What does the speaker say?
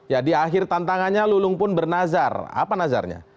ya di akhir tantangannya lulung pun bernazar apa nazarnya